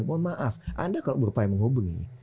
mohon maaf anda kalau bu rupaya mau ngobrol nih